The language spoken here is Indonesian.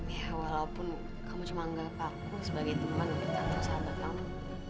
ya walaupun kamu cuma anggap aku sebagai teman atau sahabat kamu